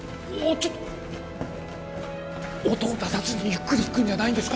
ちょっ音を出さずにゆっくり行くんじゃないんですか？